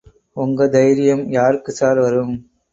ஓங்க தைரியம் யாருக்கு ஸார் வரும்?